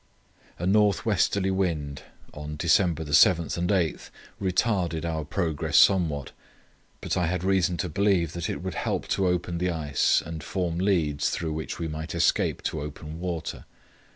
A north westerly wind on December 7 and 8 retarded our progress somewhat, but I had reason to believe that it would help to open the ice and form leads through which we might escape to open water.